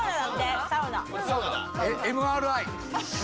ＭＲＩ。